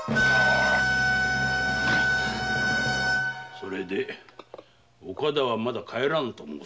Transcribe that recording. それで岡田はまだ帰らぬのか？